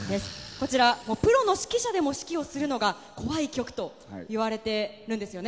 こちら、プロの指揮者でも指揮をするのが怖い曲といわれているんですよね